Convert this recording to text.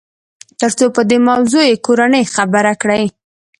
تر څو په دې موضوع يې کورنۍ خبره کړي.